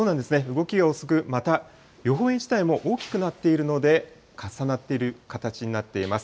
動きが遅く、また予報円自体も大きくなっているので、重なっている形になっています。